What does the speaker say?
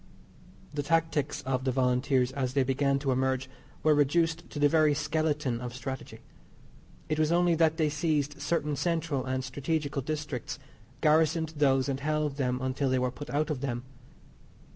The tactics of the Volunteers as they began to emerge were reduced to the very skeleton of "strategy." It was only that they seized certain central and stragetical districts, garrisoned those and held them until they were put out of them.